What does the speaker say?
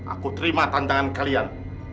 aku terima tantangan kalian